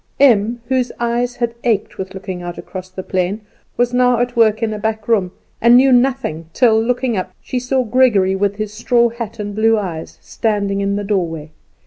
Em, whose eyes had ached with looking out across the plain, was now at work in a back room, and knew nothing till, looking up, she saw Gregory, with his straw hat and blue eyes, standing in the doorway.